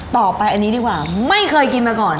ต่อไปอันนี้ดีกว่าไม่เคยกินมาก่อน